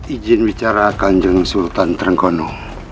izin bicara ganjab sultan trenggono